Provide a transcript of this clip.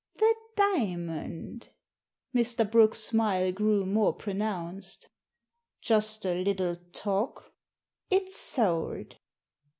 "The diamond?" Mr. Brooke's smile grew more pronounced. "Just a little talk; " It's sold."